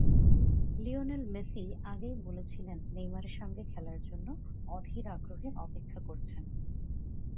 Lionel Messi আগেই বলেছিলেন নেইমারের সঙ্গে খেলার জন্য অধীর আগ্রহে অপেক্ষা করছেন।